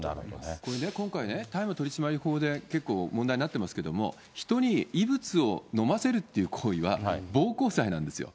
これね、今回、大麻取締法で結構問題になってますけども、人に異物を飲ませるっていう行為は暴行罪なんですよ。